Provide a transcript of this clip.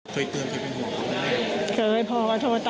เคยเตือนเคยเป็นผู้หญิง